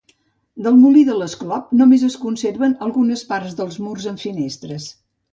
Del molí de l'Esclop només es conserven algunes parts dels murs amb finestres.